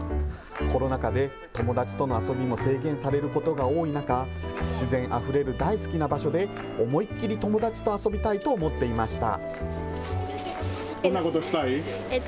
コロナ禍で友達との遊びも制限されることが多い中、自然あふれる大好きな場所で、思いっきり友達と遊びたいと思っていました。